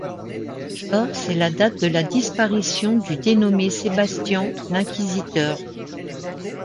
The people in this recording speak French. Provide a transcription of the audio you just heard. Or c'est la date de la disparition du dénommé Sebastian l'inquisiteur.